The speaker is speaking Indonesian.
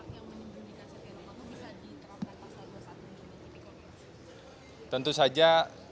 maka bisa diterapkan pasal dua puluh satu uu tidak pidana korupsi